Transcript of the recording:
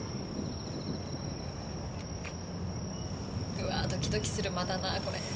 うわあドキドキする間だなこれ。